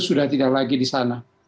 sudah tidak lagi di sana